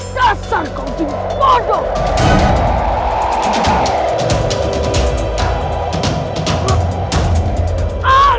dasar kau ini bodoh